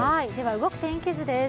動く天気図です。